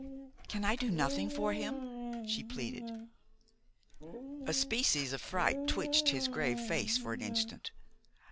"Can I do nothing for him?" she pleaded. A species of fright twitched his grave face for an instant.